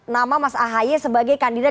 nama mas ahaye sebagai kandidat